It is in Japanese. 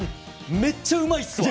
めっちゃうまいっすわ！